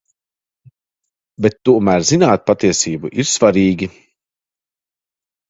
Bet tomēr zināt patiesību ir svarīgi.